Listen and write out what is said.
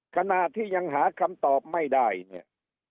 ขณะที่ยังหาคำตอบไม่ได้เนี่ย